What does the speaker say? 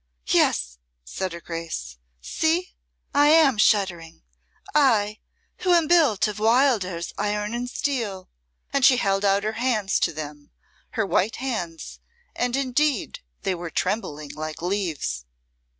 "Yes," said her Grace. "See, I am shuddering I, who am built of Wildairs iron and steel." And she held out her hands to them her white hands and indeed they were trembling like leaves.